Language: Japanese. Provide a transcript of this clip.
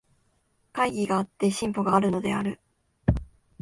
懐疑があって進歩があるのである。